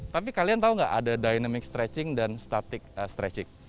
tapi kalian tahu nggak ada dynamic stretching dan static stretching